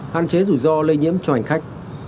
hạn chế rủi ro lây nhiễm cho hành khách